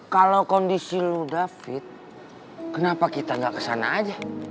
kalo kondisi lo udah fit kenapa kita gak kesana aja